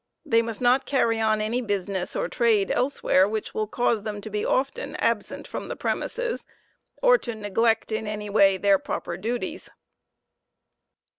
They must not carry on anybusiness or trade elsewhere which will cause them to be often absent from the premises, pr to neglect, in any way, their proper duties.